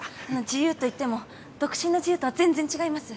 自由といっても独身の自由とは全然違います。